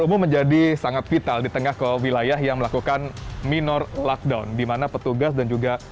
umum menjadi sangat vital di tengah ke wilayah yang melakukan minor lockdown dimana petugas dan juga